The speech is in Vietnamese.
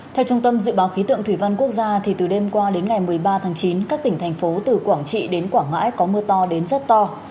theo trung tâm dự báo khí tượng thủy văn quốc gia từ đêm qua đến ngày một mươi ba tháng chín các tỉnh thành phố từ quảng trị đến quảng ngãi có mưa to đến rất to